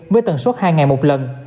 với tần suất hai ngày một lần